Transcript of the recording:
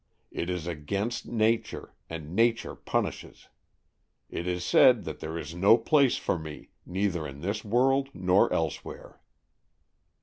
" It is against Nature, and Nature punishes. It is said that there is no place for me, neither in this world nor elsewhere."